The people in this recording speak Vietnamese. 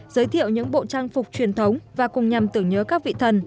giới thiệu những bộ trang phục truyền thống và cùng nhằm tưởng nhớ các vị thần